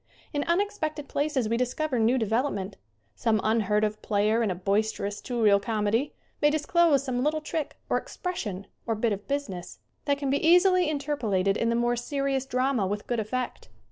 In unexpected places we discover new devel opment. Some unheard of player in a boister ous two reel comedy may disclose some little trick, or expression, or bit of business, that can be easily interpolated in the more serious drama with good effect.